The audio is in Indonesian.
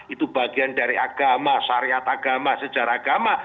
itu bagian dari agama syariat agama sejarah agama